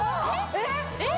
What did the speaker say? えっ！？